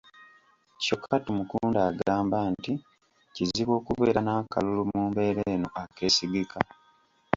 Kyokka Tumukunde agamba nti kizibu okubeera n'akalulu mu mbeera eno akeesigika.